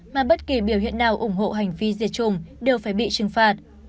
mà bất kỳ biểu hiện nào ủng hộ hành vi diệt chủng đều phải bị trừng phạt